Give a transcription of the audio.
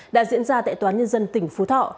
đã diễn ra tại toán nhân dân tỉnh phú thọ